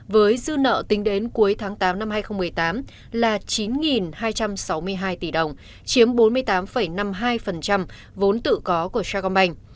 với dư nợ tính đến cuối tháng tám năm hai nghìn một mươi tám là chín hai trăm sáu mươi hai tỷ đồng chiếm bốn mươi tám năm mươi hai vốn tự có của chagombank